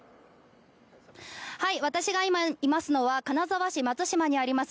私が今いますのは金沢市松島にあります